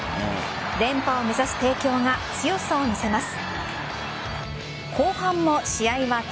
連覇を目指す帝京が強さを見せます。